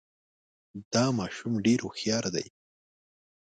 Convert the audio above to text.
دا ماشوم ډېر هوښیار دی